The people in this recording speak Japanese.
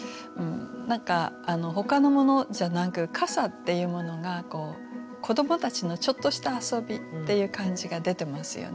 何かほかのものじゃなく傘っていうものが子どもたちのちょっとした遊びっていう感じが出てますよね。